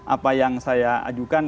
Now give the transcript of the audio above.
apa yang saya ajukan